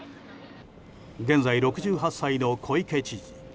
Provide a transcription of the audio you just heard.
現在、６８歳の小池知事。